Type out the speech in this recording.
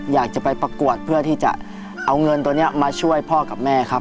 อยากจะไปประกวดเพื่อที่จะเอาเงินตัวนี้มาช่วยพ่อกับแม่ครับ